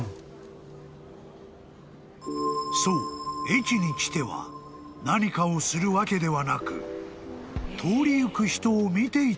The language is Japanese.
［そう駅に来ては何かをするわけではなく］